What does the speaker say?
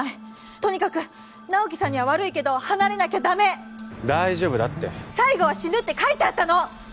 とにかく直木さんには悪いけど離れなきゃダメ大丈夫だって最後は死ぬって書いてあったの！